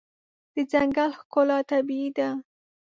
د ځنګل ښکلا طبیعي ده.